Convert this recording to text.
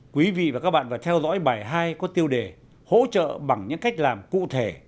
quý vị và các bạn vừa theo dõi bài hai có tiêu đề hỗ trợ bằng những cách làm cụ thể